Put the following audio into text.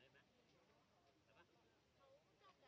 สวัสดีครับ